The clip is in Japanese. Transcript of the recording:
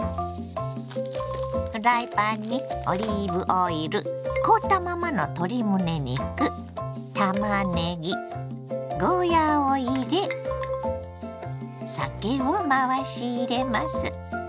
フライパンにオリーブオイル凍ったままの鶏むね肉たまねぎゴーヤーを入れ酒を回し入れます。